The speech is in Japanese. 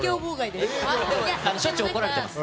これはでもしょっちゅう怒られてます